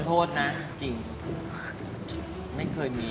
ขอบคุณครับ